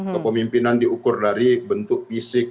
kepemimpinan diukur dari bentuk fisik